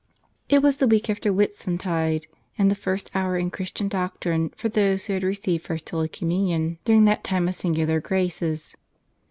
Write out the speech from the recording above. It was the week after Whitsuntide and the first hour in Christian doctrine for those who had received First Holy Communion during that time of singular graces.